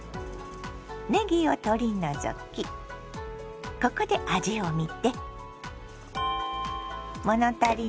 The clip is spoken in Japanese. ねぎを取り除きここで味をみて。